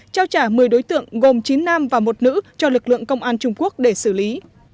trao trả một mươi đối tượng gồm chín nam và một nữ cho lực lượng công an trung quốc để xử lý